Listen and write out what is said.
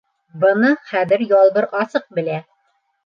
Быны хәҙер Ялбыр асыҡ белә.